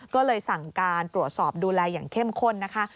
ก็เลยสั่งการตรวจสอบดูแลอย่างเข้มข้นนะคะ